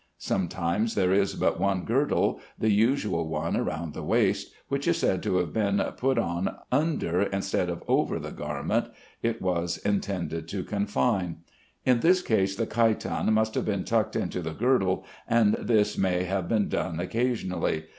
Sometimes there is but one girdle, the usual one round the waist, which is said to have been put on under instead of over the garment it was intended to confine. In this case the chiton must have been tucked into the girdle, and this may have been done occasionally.